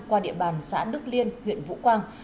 qua địa bàn xã đức liên huyện vũ quang